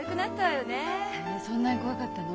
そんなに怖かったの？